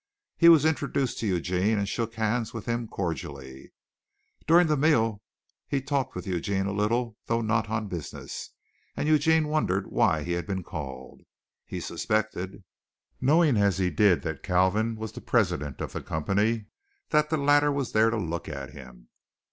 He was introduced to Eugene, and shook hands with him cordially. During the meal he talked with Eugene a little, though not on business, and Eugene wondered why he had been called. He suspected, knowing as he did that Kalvin was the president of the company, that the latter was there to look at him.